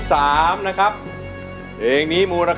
มาถึงเครงที่๓นะครับ